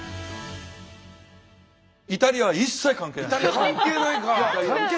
イタリアは一切関係ないです。